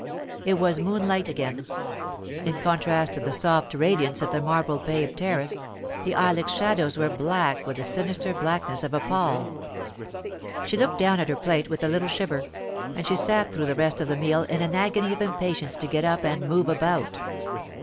It was moonlight again. In contrast to the soft radiance of the marble paved terrace, the ilex shadows were black with the sinister blackness of a pall. She looked down at her plate with a little shiver, and she sat through the rest of the meal in an agony of impatience to get up and move about.